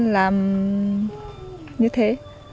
làm như thế